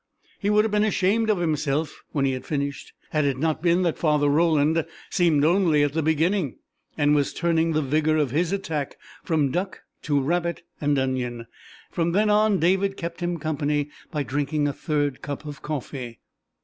He would have been ashamed of himself when he had finished had it not been that Father Roland seemed only at the beginning, and was turning the vigour of his attack from duck to rabbit and onion. From then on David kept him company by drinking a third cup of coffee.